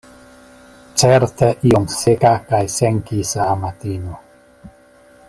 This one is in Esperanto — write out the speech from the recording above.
Certe iom seka kaj senkisa amatino.